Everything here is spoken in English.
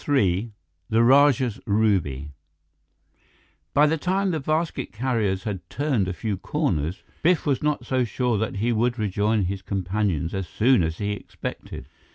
III The Rajah's Ruby By the time the basket carriers had turned a few corners, Biff was not so sure that he would rejoin his companions as soon as he expected.